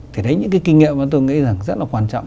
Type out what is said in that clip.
thì đấy những cái kinh nghiệm mà tôi nghĩ rằng rất là quan trọng